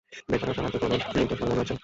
বেচারার সাহায্য করুন, নির্দোষ বলে মনে হচ্ছে।